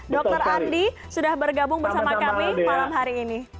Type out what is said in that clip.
dr andi sudah bergabung bersama kami malam hari ini